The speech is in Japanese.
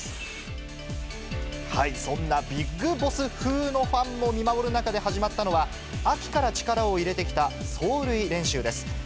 はい、そんなビッグボス風のファンも見守る中で始まったのは、秋から力を入れてきた走塁練習です。